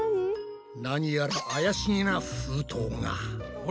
何やら怪しげな封筒が。